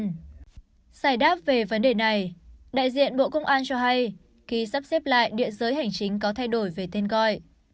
giải đáp về vấn đề này đại diện bộ công an cho hay khi sắp xếp lại địa giới hành chính có thay đổi về tên gọi